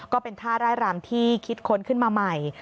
ก็เป็นท่าร่ายรำที่คิดค้นขึ้นมาใหม่